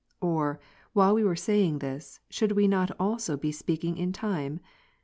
Or, while we were saying this, should we not also be speaking in time?